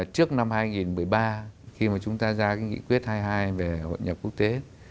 trước năm hai nghìn một mươi ba khi mà chúng ta ra cái nghị quyết hai mươi hai về hội nhập quốc tế